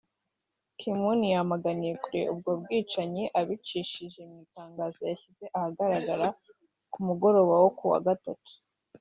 Ki Moon yamaganiye kure ubwo bwicanyi abicishije mu itangazo yashyize ahagaragara ku mugoroba wo kuwa Gatatu